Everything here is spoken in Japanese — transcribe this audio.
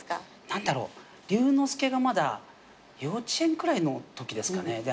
何だろう竜之介がまだ幼稚園くらいのときですかね。